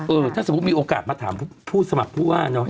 ถ้าสมมุติมีโอกาสมาถามผู้สมัครผู้ว่าเนอะ